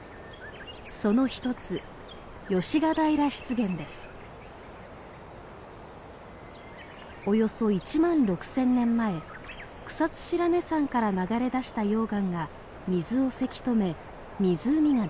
その一つおよそ１万６，０００年前草津白根山から流れ出した溶岩が水をせき止め湖ができました。